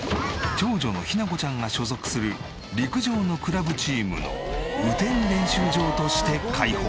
長女の陽奈子ちゃんが所属する陸上のクラブチームの雨天練習場として開放。